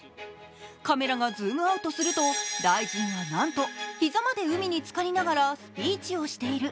カメラがズームアウトすると大臣は、なんと膝まで海につかりながらスピーチをしている。